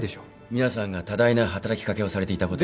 皆さんが多大な働きかけをされていたことは。